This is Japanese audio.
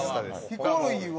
ヒコロヒーは？